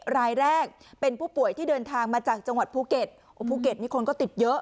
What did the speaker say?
รายแรกเป็นผู้ป่วยที่เดินทางมาจากจังหวัดภูเก็ตภูเก็ตนี่คนก็ติดเยอะ